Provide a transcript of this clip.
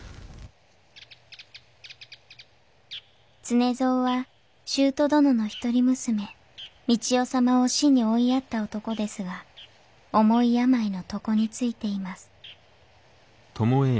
常蔵は舅殿の一人娘三千代様を死に追いやった男ですが重い病の床についています